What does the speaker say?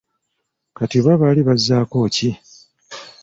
Kati oba baali bazzaako ki?